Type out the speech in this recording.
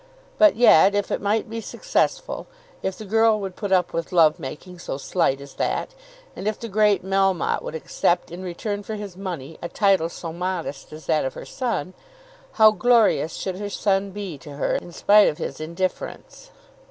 But yet, if it might be successful, if the girl would put up with love making so slight as that, and if the great Melmotte would accept in return for his money a title so modest as that of her son, how glorious should her son be to her in spite of his indifference!